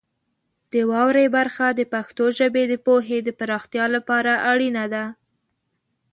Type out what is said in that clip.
د واورئ برخه د پښتو ژبې د پوهې د پراختیا لپاره اړینه ده.